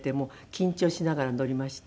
緊張しながら乗りまして。